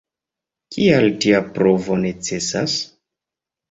Kial tia provo necesas?